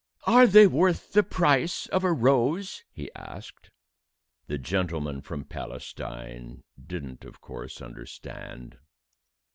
"Are they worth the price of a rose?" he asked. The gentleman from Palestine didn't, of course, understand.